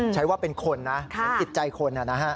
ใช้ว่าเป็นคนนะอย่างกิจใจคนนะฮะ